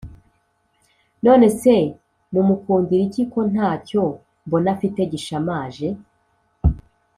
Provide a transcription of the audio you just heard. Nonese mu mukundira iki ko ntacyo mbona afite gishamaje